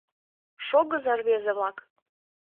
Шогыза, рвезе-влак!